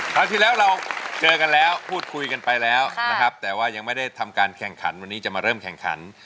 ครั้งที่แล้วเราเจอกันแล้วพูดคุยกันไปแล้วนะครับแต่ว่ายังไม่ได้ทำการแข่งขันวันนี้จะมาเริ่มแข่งขัน